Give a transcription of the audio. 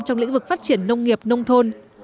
trong lĩnh vực phát triển nông nghiệp nông thôn